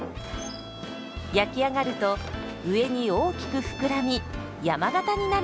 焼き上がると上に大きく膨らみ山型になるんです。